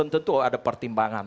tentu ada pertimbangan